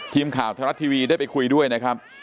ทีมข่าวไทยรัฐทีวีได้ไปคุยด้วยนะครับ